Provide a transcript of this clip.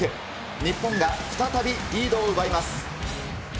日本が再びリードを奪います。